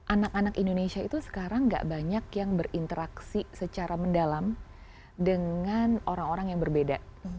anak anak indonesia itu sekarang gak banyak yang berinteraksi secara mendalam dengan orang orang yang berbeda